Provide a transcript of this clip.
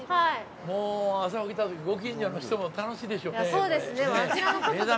もう、朝起きたとき、ご近所の人も楽しいでしょうね。